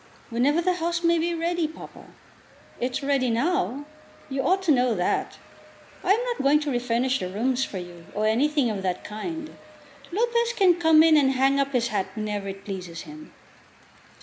"Whenever the house may be ready, papa." "It's ready now. You ought to know that. I am not going to refurnish the rooms for you, or anything of that kind. Lopez can come in and hang up his hat whenever it pleases him."